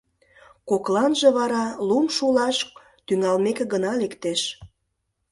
Кокланже вара лум шулаш тӱҥалмеке гына лектеш.